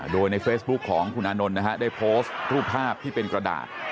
โดยในเฟซบุ๊คของคุณอานนท์นะฮะได้โพสต์รูปภาพที่เป็นกระดาษ